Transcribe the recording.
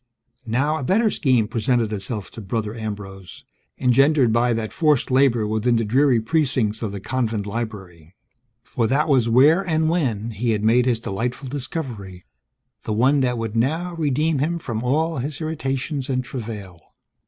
Now, a better scheme presented itself to Brother Ambrose, engendered by that forced labor within the dreary precincts of the convent library. For that was where (and when) he had made his delightful discovery, the one that would now redeem him from all his irritations and travail.